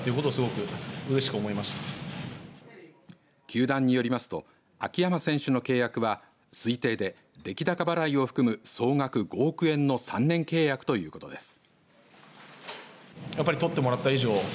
球団によりますと秋山選手の契約は推定で出来高払いを含む総額５億円の３年契約ということです。